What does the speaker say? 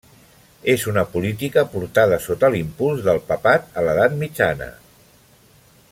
És una política portada sota l'impuls del papat a l'edat mitjana.